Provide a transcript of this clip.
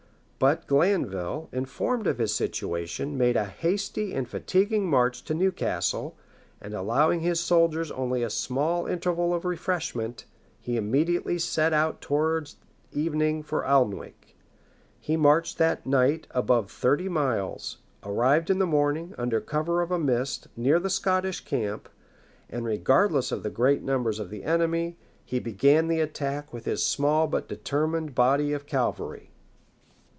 But Glanville, informed of his situation, made a hasty and fatiguing march to Newcastle; and allowing his soldiers only a small interval for refreshment, he immediately set out towards evening for Alnwick. He marched that night above thirty miles; arrived in the morning, under cover of a mist, near the Scottish camp; and regardless of the great numbers of the enemy, he began the attack with his small but determined body of cavalry.